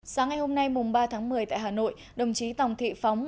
sáng ngày hôm nay mùng ba tháng một mươi tại hà nội đồng chí tòng thị phóng